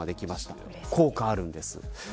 効果があるんです。